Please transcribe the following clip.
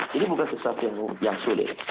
jadi bukan sesuatu yang sulit